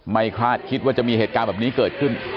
คาดคิดว่าจะมีเหตุการณ์แบบนี้เกิดขึ้น